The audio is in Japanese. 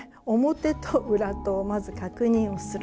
表と裏とをまず確認をする。